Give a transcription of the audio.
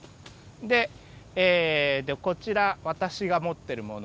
ででこちら私が持ってるもの。